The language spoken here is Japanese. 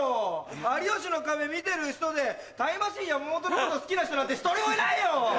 『有吉の壁』見てる人でタイムマシーン・山本のこと好きな人なんて１人もいないよ！